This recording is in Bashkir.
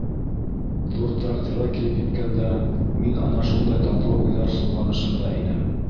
Ҙур трактирға килеп еткәндә, мин ана шундай татлы уйҙар солғанышында инем.